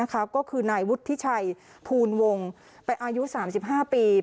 ก็คือนายวุฒิชัยภูลวงไปอายุ๓๕ปี